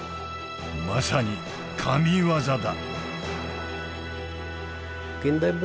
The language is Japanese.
まさに神技だ。